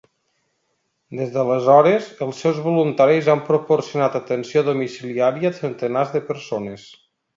Des d'aleshores, els seus voluntaris han proporcionat atenció domiciliària a centenars de persones.